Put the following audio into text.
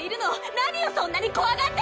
何をそんなに怖がってるのよ！